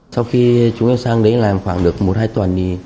sau khi chúng em sang đấy làm khoảng được một hai tuần